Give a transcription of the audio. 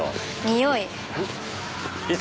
におい。